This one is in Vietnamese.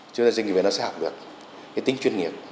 cho nên doanh nghiệp này nó sẽ học được cái tính chuyên nghiệp